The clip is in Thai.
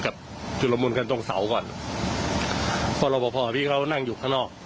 ใครไม่รู้